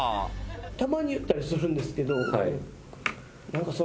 たまに言ったりするんですけどなんかその。